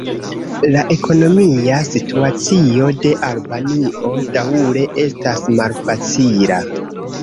La ekonomia situacio de Albanio daŭre estas malfacila.